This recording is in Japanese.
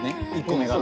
１個目が。